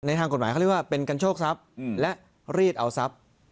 ทางกฎหมายเขาเรียกว่าเป็นการโชคทรัพย์และรีดเอาทรัพย์